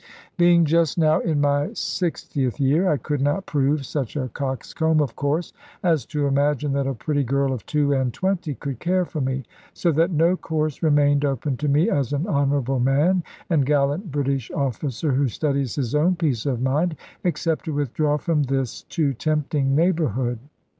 Being just now in my sixtieth year, I could not prove such a coxcomb, of course, as to imagine that a pretty girl of two and twenty could care for me, so that no course remained open to me as an honourable man and gallant British officer who studies his own peace of mind, except to withdraw from this too tempting neighbourhood.